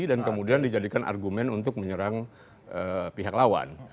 dan kemudian dijadikan argumen untuk menyerang pihak lawan